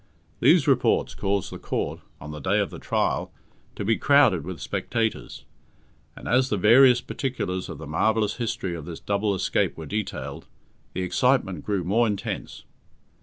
These reports caused the Court, on the day of the trial, to be crowded with spectators; and as the various particulars of the marvellous history of this double escape were detailed, the excitement grew more intense.